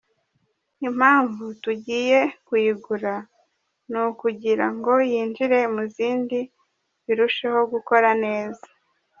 Impamvu tugiye kuyigura ni ukugira ngo yinjire mu zindi birusheho gukora neza.